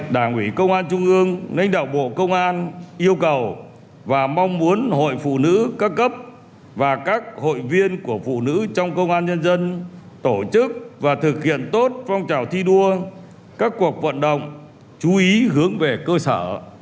đảng ủy công an trung ương lãnh đạo bộ công an yêu cầu và mong muốn hội phụ nữ các cấp và các hội viên của phụ nữ trong công an nhân dân tổ chức và thực hiện tốt phong trào thi đua các cuộc vận động chú ý hướng về cơ sở